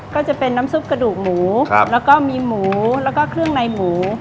ก็จะเป็นน้ำซุปกระดูกหมูแล้วก็มีหมูแล้วก็เครื่องในหมู